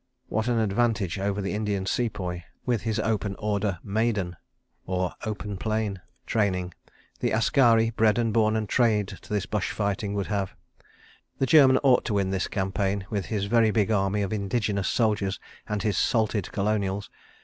... What an advantage over the Indian Sepoy, with his open order maidan training, the askari, bred and born and trained to this bush fighting, would have! The German ought to win this campaign with his very big army of indigenous soldiers and his "salted" Colonials.